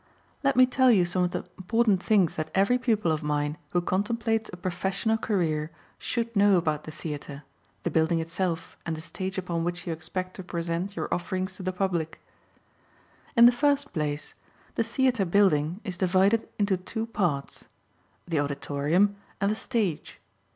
Let me tell you some of the important things that every pupil of mine who contemplates a professional career should know about the theatre, the building itself and the stage upon which you expect to present your offerings to the public. [Illustration: Proscenium Arch, the Frame of the Stage Pictures] In the first place, the theatre building is divided into two parts, the auditorium and the stage.